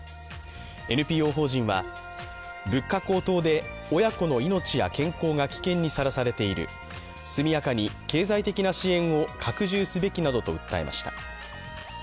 ＮＰＯ法人は物価高騰で親子の命や健康が危険にさらされている、速やかに経済的な支援を拡充すべきなどと訴えました。